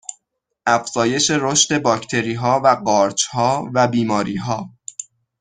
افزایش رشد باکتریها و قارچها و بیماریها